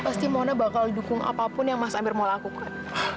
pasti mona bakal dukung apapun yang mas amir mau lakukan